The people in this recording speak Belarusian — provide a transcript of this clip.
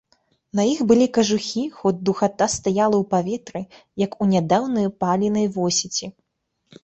На іх былі кажухі, хоць духата стаяла ў паветры, як у нядаўна паленай восеці.